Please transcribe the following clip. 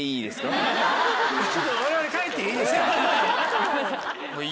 ちょっと我々変えていいですか。